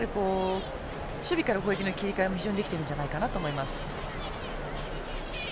守備から動きの切り替えも非常にできているんじゃないかと思います。